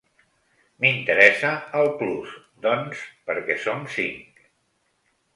M'interessa el Plus doncs, perquè som cinc.